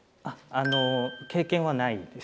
あの経験はないです。